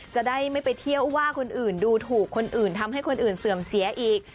จะได้ไม่ไปเที่ยวว่าคนอื่นดูถูกคนอื่นทำให้คนอื่นเสื่อมเสียอีก